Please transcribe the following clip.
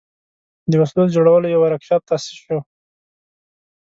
د وسلو د جوړولو یو ورکشاپ تأسیس شو.